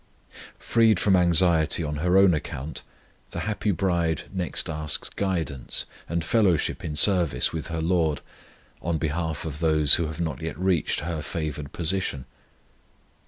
Freed from anxiety on her own account, the happy bride next asks guidance, and fellowship in service with her LORD, on behalf of those who have not yet reached her favoured position.